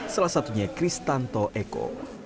salah satunya kristanto eko